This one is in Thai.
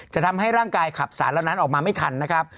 จะทำให้ร่างกายขับสารเหล่านั้นออกมาไม่ทันนะครับ